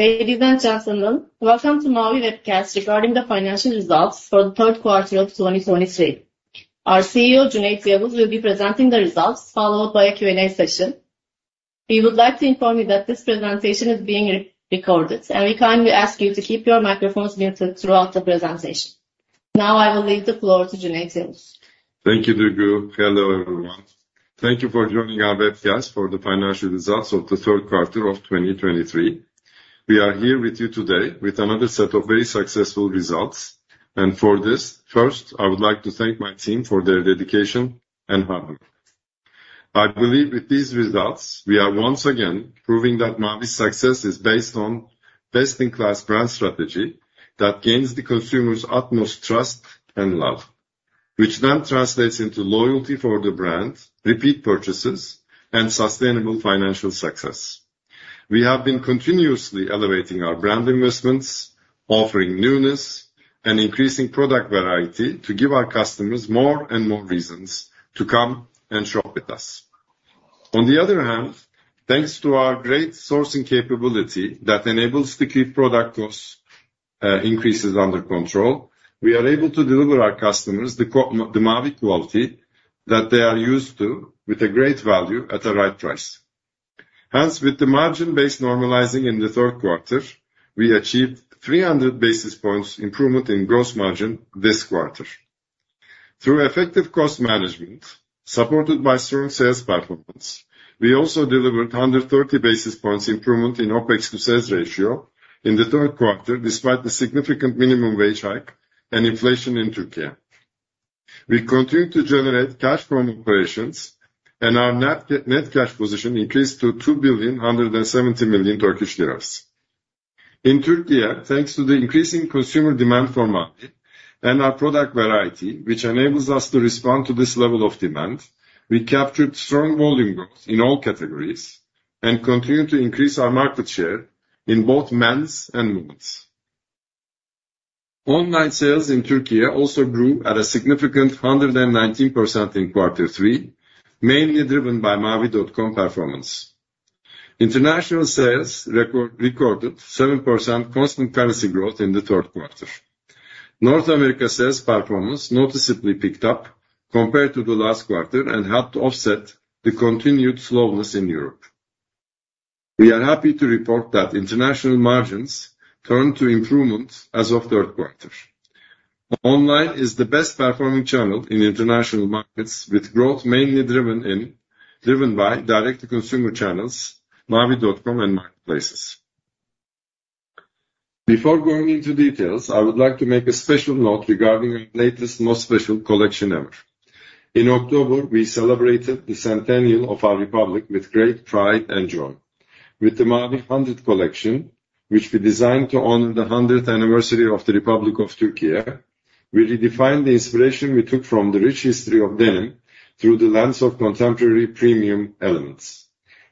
Ladies and gentlemen, welcome to Mavi Webcast regarding the financial results for the third quarter of 2023. Our Chief Executive Officer, Cüneyt Yavuz, will be presenting the results, followed by a Q&A session. We would like to inform you that this presentation is being re-recorded, and we kindly ask you to keep your microphones muted throughout the presentation. Now, I will leave the floor to Cüneyt Yavuz. Thank you, Duygu. Hello, everyone. Thank you for joining our webcast for the financial results of the third quarter of 2023. We are here with you today with another set of very successful results, and for this, first, I would like to thank my team for their dedication and hard work. I believe with these results, we are once again proving that Mavi's success is based on best-in-class brand strategy that gains the consumer's utmost trust and love, which then translates into loyalty for the brand, repeat purchases, and sustainable financial success. We have been continuously elevating our brand investments, offering newness and increasing product variety to give our customers more and more reasons to come and shop with us. On the other hand, thanks to our great sourcing capability that enables to keep product costs increases under control, we are able to deliver our customers the Mavi quality that they are used to with a great value at the right price. Hence, with the margin base normalizing in the third quarter, we achieved 300 basis points improvement in gross margin this quarter. Through effective cost management, supported by strong sales performance, we also delivered 130 basis points improvement in OpEx to sales ratio in the third quarter, despite the significant minimum wage hike and inflation in Turkey. We continue to generate cash from operations, and our net cash position increased to 2.17 billion. In Turkey, thanks to the increasing consumer demand for Mavi and our product variety, which enables us to respond to this level of demand, we captured strong volume growth in all categories and continued to increase our market share in both men's and women's. Online sales in Türkiye also grew at a significant 119% in quarter three, mainly driven by mavi.com performance. International sales recorded 7% constant currency growth in the third quarter. North America sales performance noticeably picked up compared to the last quarter and helped to offset the continued slowness in Europe. We are happy to report that international margins turned to improvement as of third quarter. Online is the best performing channel in international markets, with growth mainly driven by direct-to-consumer channels, mavi.com, and marketplaces. Before going into details, I would like to make a special note regarding our latest, most special collection ever. In October, we celebrated the centennial of our republic with great pride and joy. With the Mavi Hundred collection, which we designed to honor the hundredth anniversary of the Republic of Türkiye, we redefined the inspiration we took from the rich history of denim through the lens of contemporary premium elements.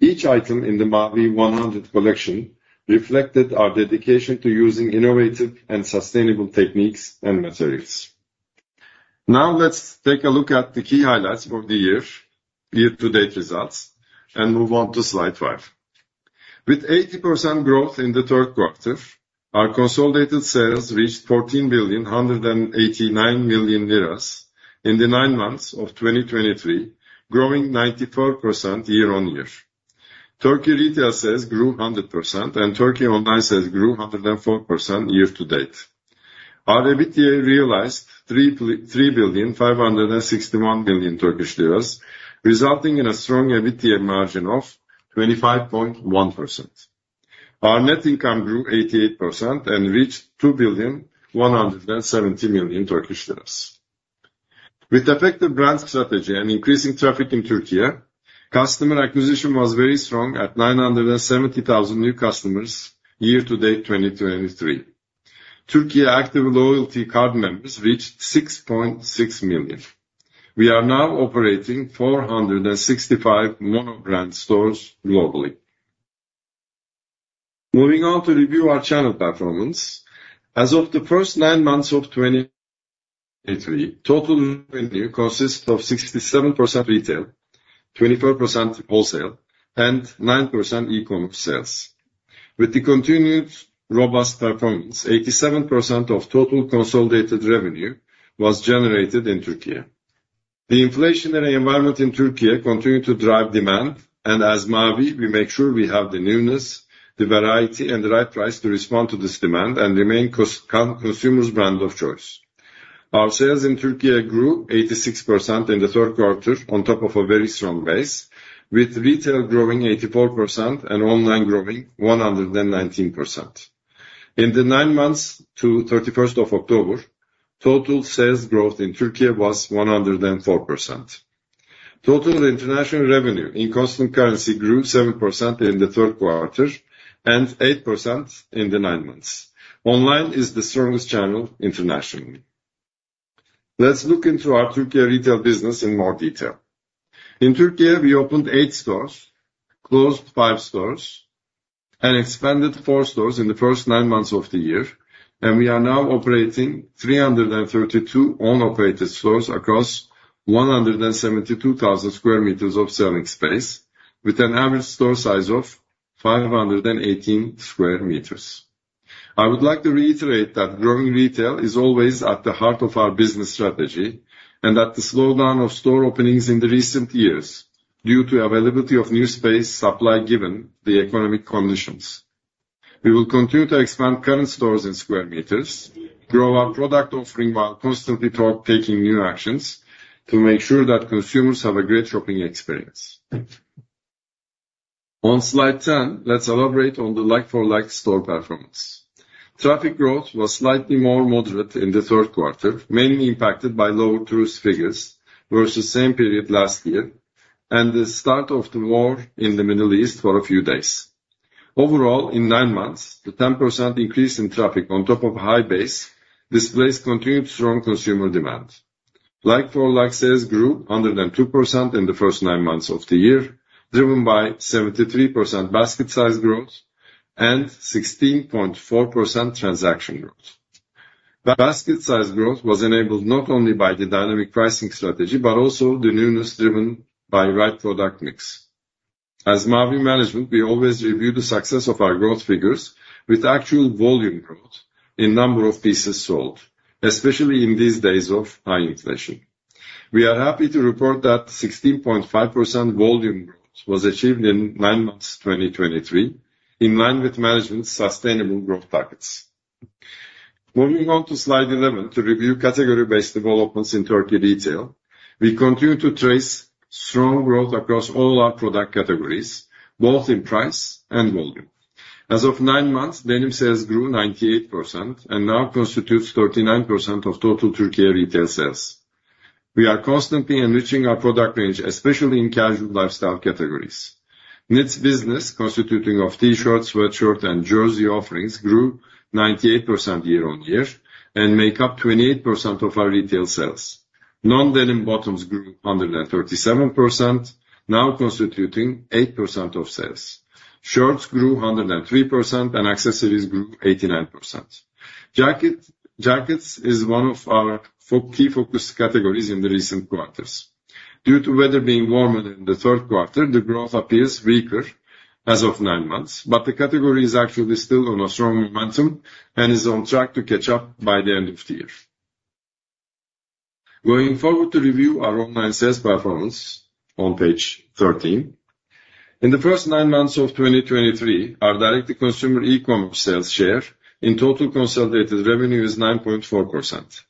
Each item in the Mavi One Hundred collection reflected our dedication to using innovative and sustainable techniques and materials. Now, let's take a look at the key highlights for the year, year-to-date results, and move on to slide 5. With 80% growth in the third quarter, our consolidated sales reached 14,189 million lira in the nine months of 2023, growing 94% year-on-year. Türkiye retail sales grew 100%, and Türkiye online sales grew 104% year to date. Our EBITDA realized 3.561 billion, resulting in a strong EBITDA margin of 25.1%. Our net income grew 88% and reached 2.170 billion. With effective brand strategy and increasing traffic in Türkiye, customer acquisition was very strong at 970,000 new customers, year to date, 2023. Türkiye active loyalty card members reached 6.6 million. We are now operating 465 mono brand stores globally. Moving on to review our channel performance. As of the first 9 months of 2023, total revenue consists of 67% retail, 24% wholesale, and 9% e-com sales. With the continued robust performance, 87% of total consolidated revenue was generated in Türkiye. The inflationary environment in Türkiye continued to drive demand, and as Mavi, we make sure we have the newness, the variety, and the right price to respond to this demand and remain consumers' brand of choice. Our sales in Türkiye grew 86% in the third quarter on top of a very strong base, with retail growing 84% and online growing 119%. In the nine months to 31st of October, total sales growth in Türkiye was 104%. Total international revenue in constant currency grew 7% in the third quarter and 8% in the nine months. Online is the strongest channel internationally. Let's look into our Türkiye retail business in more detail. In Türkiye, we opened eight stores, closed five stores, and expanded four stores in the first nine months of the year... and we are now operating 332 own operated stores across 172,000 square meters of selling space, with an average store size of 518 square meters. I would like to reiterate that growing retail is always at the heart of our business strategy, and that the slowdown of store openings in the recent years, due to availability of new space supply, given the economic conditions. We will continue to expand current stores in square meters, grow our product offering, while constantly taking new actions to make sure that consumers have a great shopping experience. On slide 10, let's elaborate on the like-for-like store performance. Traffic growth was slightly more moderate in the third quarter, mainly impacted by lower tourist figures versus same period last year, and the start of the war in the Middle East for a few days. Overall, in nine months, the 10% increase in traffic on top of high base, displays continued strong consumer demand. Like-for-like sales grew under 2% in the first nine months of the year, driven by 73% basket size growth and 16.4% transaction growth. Basket size growth was enabled not only by the dynamic pricing strategy, but also the newness driven by right product mix. As Mavi management, we always review the success of our growth figures with actual volume growth in number of pieces sold, especially in these days of high inflation. We are happy to report that 16.5% volume growth was achieved in 9 months, 2023, in line with management's sustainable growth targets. Moving on to Slide 11, to review category-based developments in Turkey retail. We continue to trace strong growth across all our product categories, both in price and volume. As of nine months, denim sales grew 98% and now constitutes 39% of total Turkey retail sales. We are constantly enriching our product range, especially in casual lifestyle categories. Knits business, constituting of T-shirts, sweatshirt, and jersey offerings, grew 98% year-on-year, and make up 28% of our retail sales. Non-denim bottoms grew under 37%, now constituting 8% of sales. Shorts grew 103%, and accessories grew 89%. Jackets is one of our key focus categories in the recent quarters. Due to weather being warmer in the third quarter, the growth appears weaker as of 9 months, but the category is actually still on a strong momentum and is on track to catch up by the end of the year. Going forward to review our online sales performance on page 13. In the first nine months of 2023, our direct-to-consumer e-commerce sales share in total consolidated revenue is 9.4%,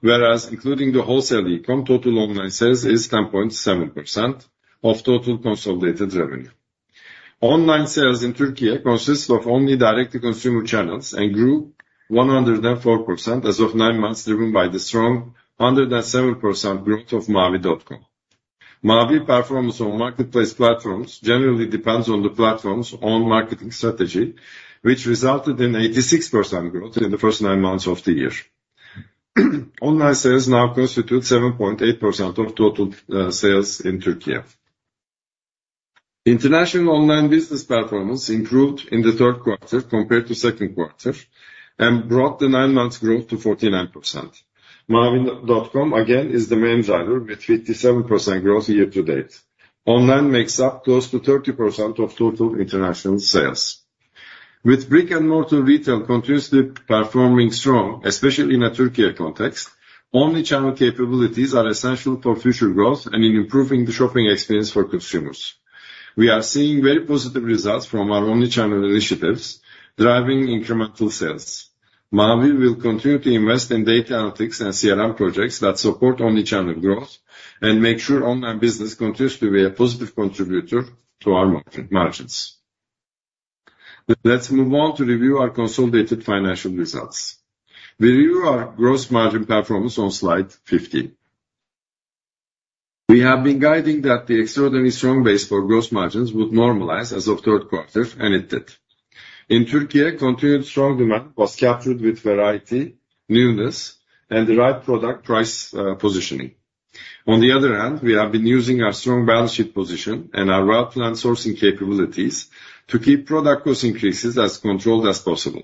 whereas including the wholesale e-com, total online sales is 10.7% of total consolidated revenue. Online sales in Türkiye consists of only direct-to-consumer channels and grew 104% as of nine months, driven by the strong 107% growth of mavi.com. Mavi performance on marketplace platforms generally depends on the platform's own marketing strategy, which resulted in 86% growth in the first nine months of the year. Online sales now constitute 7.8% of total sales in Türkiye. International online business performance improved in the third quarter compared to second quarter and brought the nine months growth to 49%. Mavi.com, again, is the main driver, with 57% growth year to date. Online makes up close to 30% of total international sales. With brick-and-mortar retail continuously performing strong, especially in a Türkiye context, omnichannel capabilities are essential for future growth and in improving the shopping experience for consumers. We are seeing very positive results from our omnichannel initiatives, driving incremental sales. Mavi will continue to invest in data analytics and CRM projects that support omnichannel growth and make sure online business continues to be a positive contributor to our margins. Let's move on to review our consolidated financial results. We review our gross margin performance on slide 15. We have been guiding that the extraordinary strong base for gross margins would normalize as of third quarter, and it did. In Türkiye, continued strong demand was captured with variety, newness, and the right product price positioning. On the other hand, we have been using our strong balance sheet position and our well-planned sourcing capabilities to keep product cost increases as controlled as possible.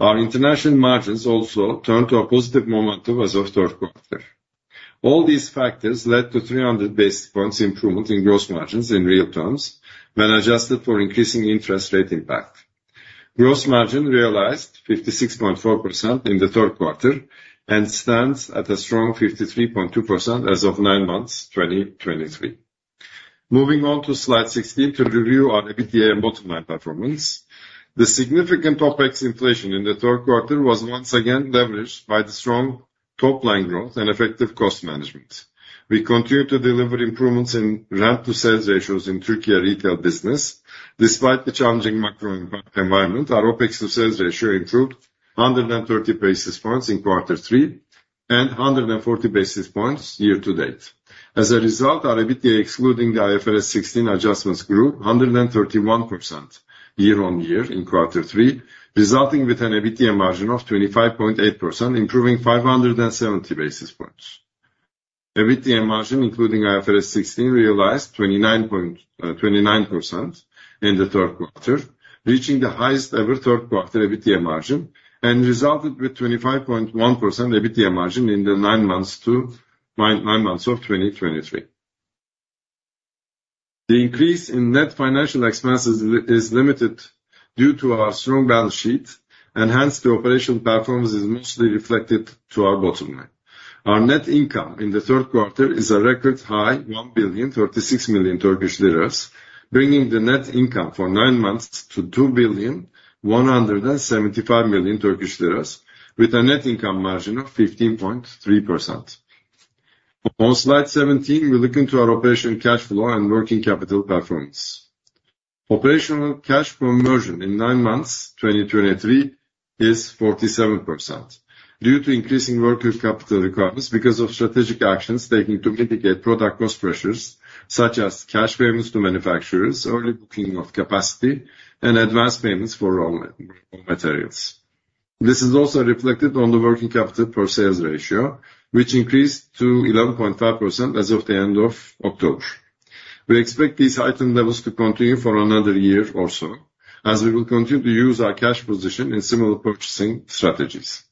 Our international margins also turned to a positive momentum as of third quarter. All these factors led to 300 basis points improvement in gross margins in real terms, when adjusted for increasing interest rate impact. Gross margin realized 56.4% in the third quarter, and stands at a strong 53.2% as of 9 months, 2023. Moving on to slide 16 to review our EBITDA and bottom line performance. The significant OpEx inflation in the third quarter was once again leveraged by the strong top-line growth and effective cost management. We continue to deliver improvements in rent-to-sales ratios in Türkiye retail business. Despite the challenging macro environment, our OpEx-to-sales ratio improved 130 basis points in quarter three and 140 basis points year to date. As a result, our EBITDA, excluding the IFRS 16 adjustments, grew 131% year-on-year in quarter three, resulting with an EBITDA margin of 25.8%, improving 570 basis points. EBITDA margin, including IFRS 16, realized 29% in the third quarter, reaching the highest ever third quarter EBITDA margin, and resulted with 25.1% EBITDA margin in the nine months of 2023. The increase in net financial expenses is limited due to our strong balance sheet, and hence, the operational performance is mostly reflected to our bottom line. Our net income in the third quarter is a record high 1,036 million Turkish lira, bringing the net income for nine months to 2,175 million Turkish lira, with a net income margin of 15.3%. On slide 17, we look into our operational cash flow and working capital performance. Operational cash flow margin in nine months, 2023, is 47%, due to increasing working capital requirements because of strategic actions taken to mitigate product cost pressures, such as cash payments to manufacturers, early booking of capacity, and advanced payments for raw materials. This is also reflected on the working capital per sales ratio, which increased to 11.5% as of the end of October. We expect these heightened levels to continue for another year or so, as we will continue to use our cash position in similar purchasing strategies.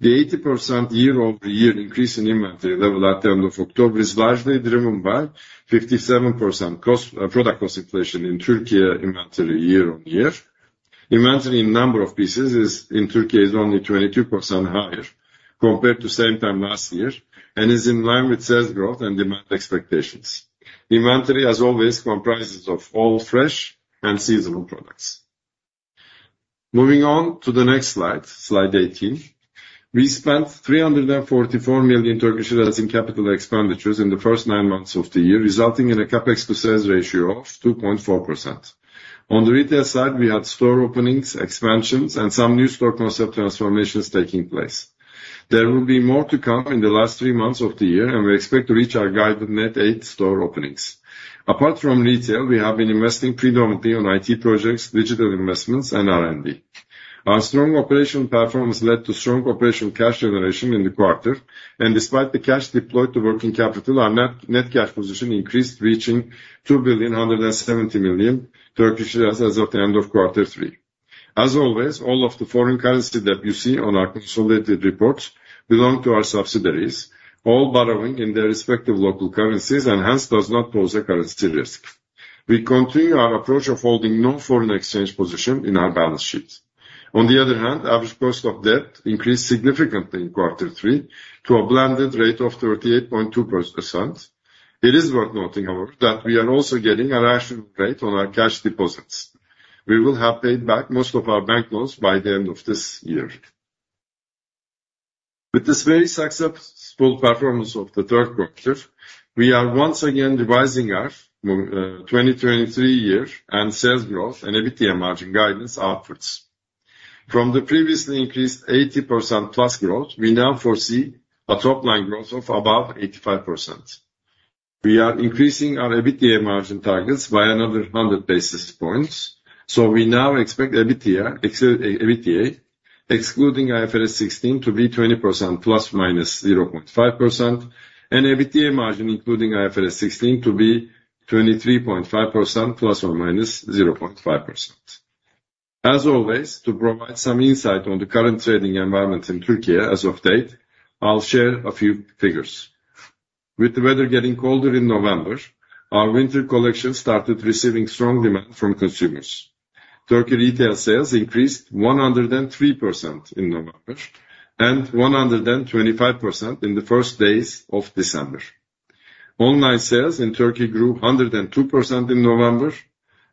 The 80% year-over-year increase in inventory level at the end of October is largely driven by 57% cost, product cost inflation in Turkey inventory year-over-year. Inventory in number of pieces is, in Turkey, is only 22% higher compared to same time last year and is in line with sales growth and demand expectations. Inventory, as always, comprises of all fresh and seasonal products. Moving on to the next slide, slide 18. We spent 344 million in capital expenditures in the first nine months of the year, resulting in a CapEx to sales ratio of 2.4%. On the retail side, we had store openings, expansions, and some new store concept transformations taking place. There will be more to come in the last three months of the year, and we expect to reach our guided net eight store openings. Apart from retail, we have been investing predominantly on IT projects, digital investments, and R&D. Our strong operational performance led to strong operational cash generation in the quarter, and despite the cash deployed to working capital, our net cash position increased, reaching 2.17 billion as of the end of quarter three. As always, all of the foreign currency that you see on our consolidated reports belong to our subsidiaries, all borrowing in their respective local currencies, and hence does not pose a currency risk. We continue our approach of holding no foreign exchange position in our balance sheets. On the other hand, average cost of debt increased significantly in quarter three to a blended rate of 38.2%. It is worth noting, however, that we are also getting a rational rate on our cash deposits. We will have paid back most of our bank loans by the end of this year. With this very successful performance of the third quarter, we are once again revising our 2023 year, and sales growth, and EBITDA margin guidance outwards. From the previously increased 80%+ growth, we now foresee a top line growth of about 85%. We are increasing our EBITDA margin targets by another 100 basis points, so we now expect EBITDA, excluding IFRS 16, to be 20% ±0.5%, and EBITDA margin, including IFRS 16, to be 23.5% ±0.5%. As always, to provide some insight on the current trading environment in Turkey as of date, I'll share a few figures. With the weather getting colder in November, our winter collection started receiving strong demand from consumers. Turkey retail sales increased 103% in November and 125% in the first days of December. Online sales in Turkey grew 102% in November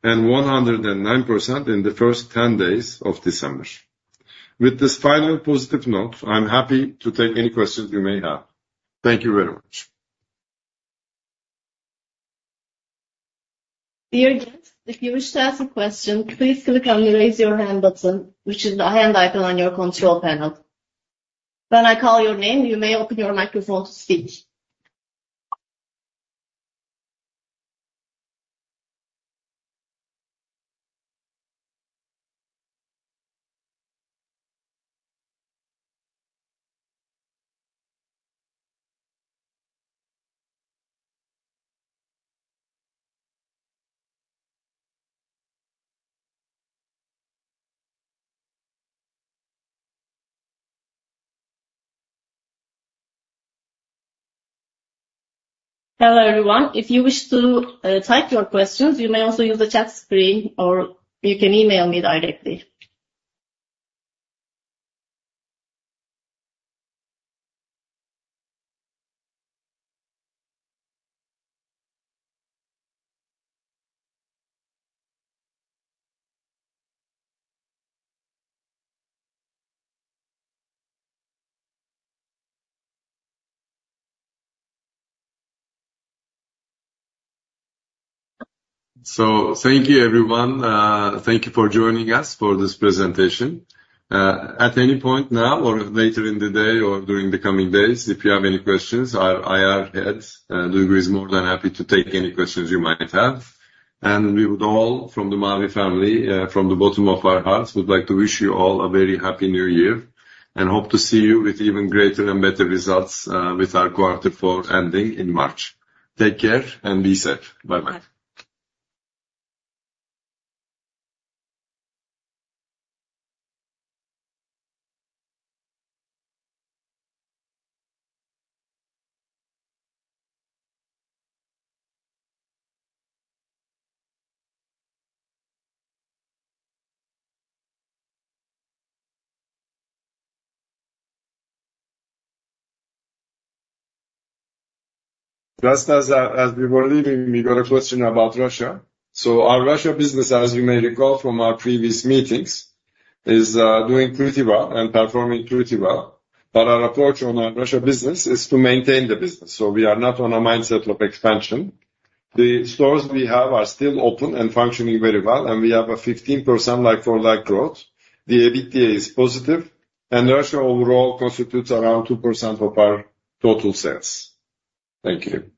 and 109% in the first ten days of December. With this final positive note, I'm happy to take any questions you may have. Thank you very much. Dear guests, if you wish to ask a question, please click on the Raise Your Hand button, which is a hand icon on your control panel. When I call your name, you may open your microphone to speak. Hello, everyone. If you wish to type your questions, you may also use the chat screen, or you can email me directly. So thank you, everyone. Thank you for joining us for this presentation. At any point now or later in the day or during the coming days, if you have any questions, our IR head, Duygu, is more than happy to take any questions you might have. And we would all, from the Mavi family, from the bottom of our hearts, would like to wish you all a very happy New Year and hope to see you with even greater and better results, with our quarter four ending in March. Take care and be safe. Bye-bye. Just as, as we were leaving, we got a question about Russia. So our Russia business, as you may recall from our previous meetings, is doing pretty well and performing pretty well. But our approach on our Russia business is to maintain the business, so we are not on a mindset of expansion. The stores we have are still open and functioning very well, and we have a 15% like-for-like growth. The EBITDA is positive, and Russia overall constitutes around 2% of our total sales. Thank you.